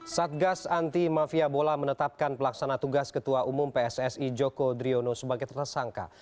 satgas anti mafia bola menetapkan pelaksana tugas ketua umum pssi joko driono sebagai tersangka